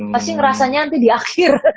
pasti ngerasanya nanti di akhir